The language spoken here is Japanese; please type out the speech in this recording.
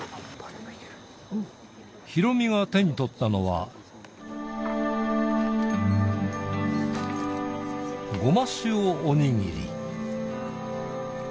ヒロミが手に取ったのは、ごま塩おにぎり。